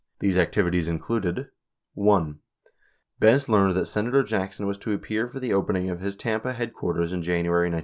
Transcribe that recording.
These activities included : 1. Benz learned that Senator Jackson was to appear for the open ing of his Tampa headquarters in January 1972.